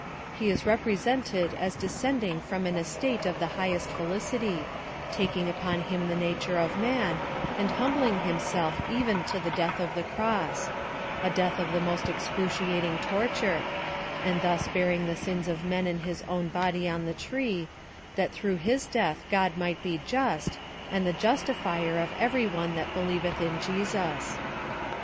He is repre sented as descending from an estate of the highest felicity ; taking upon him the nature of man, and lunnbling himself even to the death of the cross : a death of the most excruciating torture ; and thus bearing the sins of men in liis own body on the tree, that through his death God might be just, and the justifier of every one that believeth in Jesus.